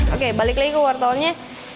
oke balik lagi ke wortelnya